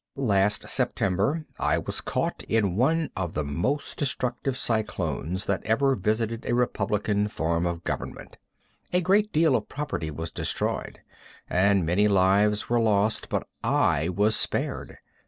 Last September I was caught in one of the most destructive cyclones that ever visited a republican form of government. A great deal of property was destroyed and many lives were lost, but I was spared.